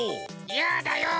やだよ！